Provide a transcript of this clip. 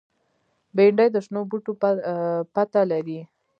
بېنډۍ د شنو بوټو پته لري